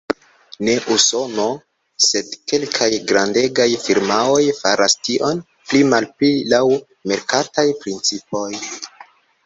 Ne Usono, sed kelkaj grandegaj firmaoj faras tion, pli-malpli laŭ merkataj principoj.